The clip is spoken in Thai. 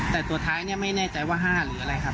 แต่ตัวท้ายเนี่ยไม่แน่ใจว่า๕หรืออะไรครับ